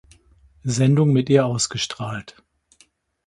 Sendung mit ihr ausgestrahlt.